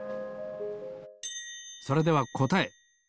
それではこたえ。